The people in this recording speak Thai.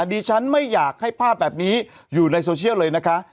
ดิฉันไม่อยากให้ภาพแบบนี้อยู่ในโซเชียลเลยนะคะ